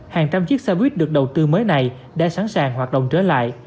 hàng trăm chiếc xe buýt được đầu tư mới này đã sẵn sàng hoạt động trở lại